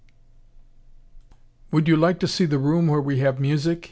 "Would you like to see the room where we have music?"